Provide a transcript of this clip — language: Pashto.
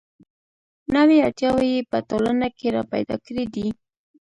نوې اړتیاوې یې په ټولنه کې را پیدا کړې دي.